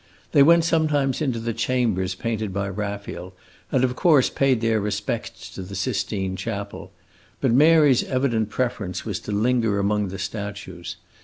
They went sometimes into the chambers painted by Raphael, and of course paid their respects to the Sistine Chapel; but Mary's evident preference was to linger among the statues.